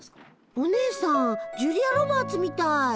お姉さんジュリア・ロバーツみたい！